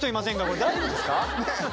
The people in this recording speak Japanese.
これ大丈夫ですか？